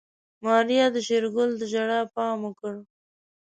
ماريا د شېرګل د ژړا پام وکړ.